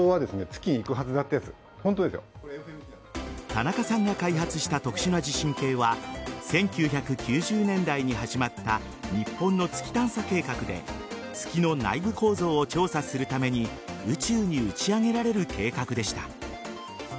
田中さんが開発した特殊な地震計は１９９０年代に始まった日本の月探査計画で月の内部構造を調査するために宇宙に打ち上げられる計画でした。